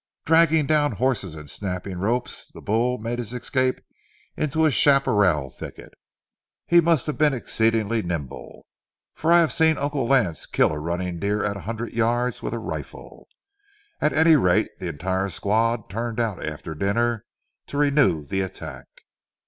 Dragging down horses and snapping ropes, the bull made his escape into a chaparral thicket. He must have been exceedingly nimble; for I have seen Uncle Lance kill a running deer at a hundred yards with a rifle. At any rate, the entire squad turned out after dinner to renew the attack.